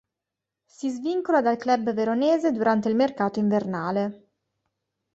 Si svincola dal club veronese durante il mercato invernale.